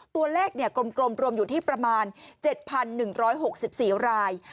ตัวเลขกลมรวมอยู่ที่ประมาณ๗๑๖๔ราย